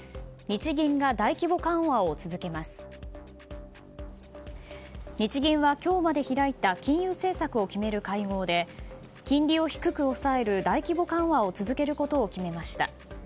日銀は今日まで開いた金融政策を決める会合で金利を低く抑える大規模緩和を続けることを決めました。